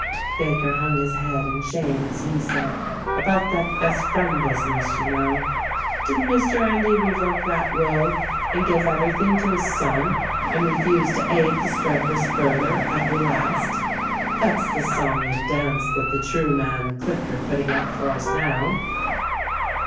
Baker hung his head in shame as he said : "About that best friend business, you know. Didn't Mr. Endy revoke that will and give everything to his son and refuse to aid the strikers further, at the last? That's the song and dance that the Trueman clique are putting up for us now."